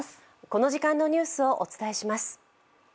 この時間の最新ニュースをお伝えします。